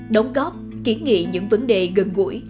đóng góp kiến nghị những vấn đề gần gũi